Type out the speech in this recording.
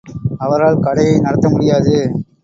அவரால் கடையை நடத்தமுடியாது.